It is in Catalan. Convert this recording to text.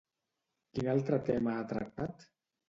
Quin altre tema ha tractat?